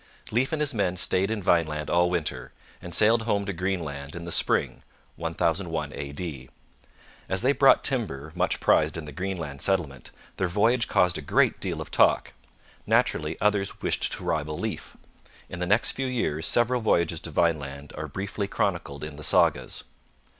Leif and his men stayed in Vineland all winter, and sailed home to Greenland in the spring (1001 A.D.). As they brought timber, much prized in the Greenland settlement, their voyage caused a great deal of talk. Naturally others wished to rival Leif. In the next few years several voyages to Vineland are briefly chronicled in the sagas.